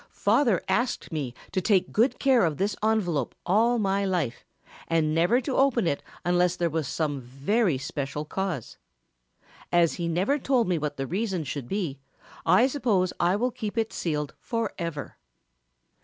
"Father asked me to take good care of this envelope all my life and never to open it unless there was some very special cause. As he never told me what the reason should be I suppose I will keep it sealed forever."